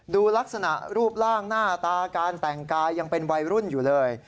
ดูลักษณะรูปร่างหน้าตาการแต่งกายยังเป็นวัยรุ่นอยู่เลย